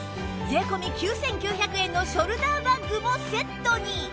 税込９９００円のショルダーバッグもセットに！